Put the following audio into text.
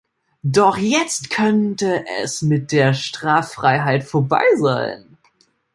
Doch jetzt könnte es mit der Straffreiheit vorbei sein.